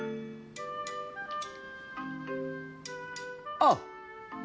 あっ！